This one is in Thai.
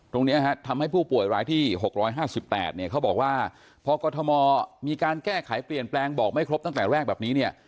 ตรงนี้ทำให้ผู้ป่วยรายที่๖๕๘เนี่ยเขาบอกว่าพอกรทมมีการแก้ไขเปลี่ยนแปลงบอกไม่ครบตั้งแต่แรกแบบนี้เนี่ย